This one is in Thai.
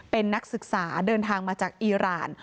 เป็นนักศึกษาเดินทางมาจากอีราน